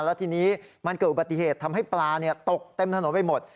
แล้วทีนี้มันเกิดอุบัติเหตุทำให้ปลาตกเต็มถนนไปหมด